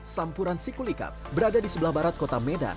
sampuran sikulikat berada di sebelah barat kota medan